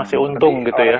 masih untung gitu ya